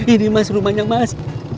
ini mas rumahnya mas